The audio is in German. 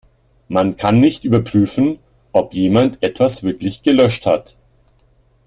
Man kann nicht überprüfen, ob jemand etwas wirklich gelöscht hat.